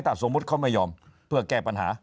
ถ้าสมมุติเขาไม่ยอมเพื่อแก้ปัญหา